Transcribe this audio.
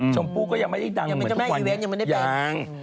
ชมพูก็ยังไม่ได้ดังเหมือนทุกวันนี้ยัง